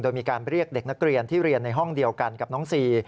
โดยมีการเรียกเด็กนักเรียนที่เรียนในห้องเดียวกันกับน้องซี